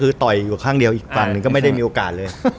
คือต่อยอยู่ข้างเดียวอีกฝั่งหนึ่งก็ไม่ได้มีโอกาสเลย